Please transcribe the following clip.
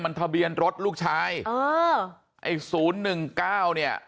มันทะเบียนรถลูกชายเออไอ้ศูนย์หนึ่งเก้าเนี่ย